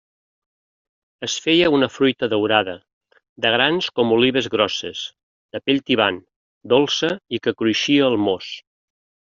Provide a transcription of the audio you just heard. Es feia una fruita daurada, de grans com olives grosses, de pell tibant, dolça i que cruixia al mos.